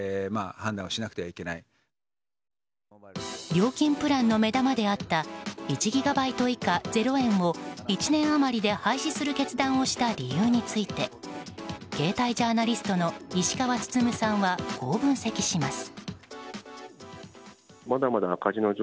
料金プランの目玉であった１キロバイト以下０円を１年余りで廃止する決断をした理由について携帯ジャーナリストの石川温さんはこう分析します。